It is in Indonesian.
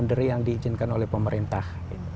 under yang diizinkan oleh pemerintah